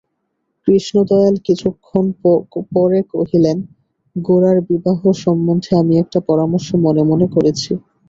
কৃষ্ণদয়াল কিছুক্ষণ পরে কহিলেন, গোরার বিবাহ সম্বন্ধে আমি একটা পরামর্শ মনে মনে করেছি।